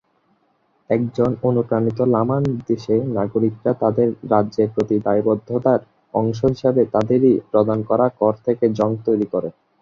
একজন অনুপ্রাণিত লামার নির্দেশে নাগরিকরা তাদের রাজ্যের প্রতি দায়বদ্ধতার অংশ হিসাবে তাদেরই প্রদান করা কর থেকে জং তৈরি করে।